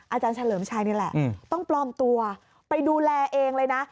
อาจารย์เฉลิมชัยนี่แหละต้องปลอมตัวไปดูแลเองเลยนะ